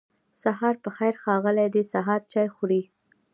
سهار پخير ښاغلی دی سهار چای خوری